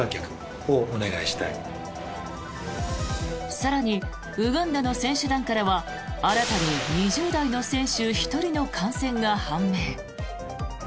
更に、ウガンダの選手団からは新たに２０代の選手１人の感染が判明。